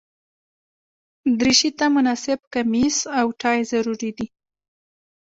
دریشي ته مناسب کمیس او ټای ضروري دي.